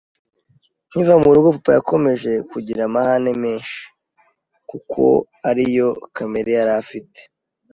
nkiva mu rugo papa yakomeje kugira amahane menshi kuko ari yo kamere yari afite